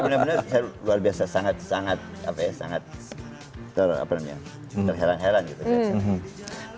jadi bener bener luar biasa sangat sangat apa ya sangat ter apa namanya terheran heran gitu